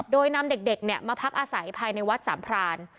โดยนำเด็กมาพักอาศัยภายในวัดสามพราน